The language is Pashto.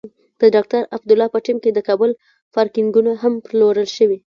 د ډاکټر عبدالله په ټیم کې د کابل پارکېنګونه هم پلورل شوي.